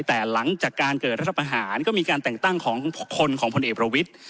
แต่หลังจากการเกิดรัฐประหารก็มีการแต่งตั้งของคนของพลเอกประวิทธิ์